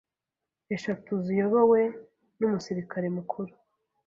eshatu ziyobowe n’umusirikare mukuru